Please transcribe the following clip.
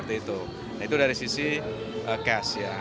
itu dari sisi cash